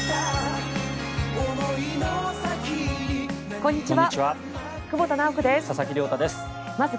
こんにちは。